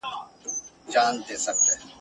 د بوډا پر اوږو غبرګي د لمسیو جنازې دي !.